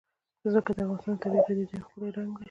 ځمکه د افغانستان د طبیعي پدیدو یو بل ښکلی رنګ دی.